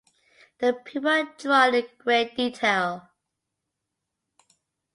The people are drawn in great detail.